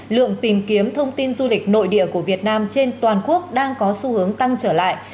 lượng tìm kiếm thông tin du lịch nội địa của việt nam trên toàn quốc đang có xu hướng tăng trở lại